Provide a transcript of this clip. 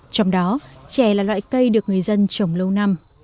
trong đó chè là loại cây được người dân trồng lâu năm